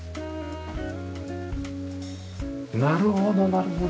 なるほどなるほど。